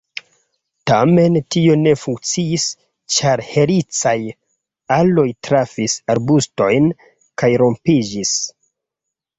Tamen tio ne funkciis, ĉar helicaj aloj trafis arbustojn kaj rompiĝis.